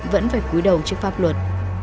vẫn phải cúi đầu trước pháp luật